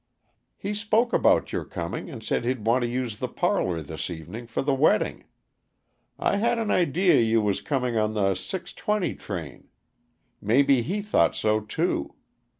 "He spoke about your coming, and said he'd want the use of the parlor this evening, for the wedding. I had an idea you was coming on the six twenty train. Maybe he thought so, too.